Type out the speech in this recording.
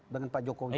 dengan pak jokowi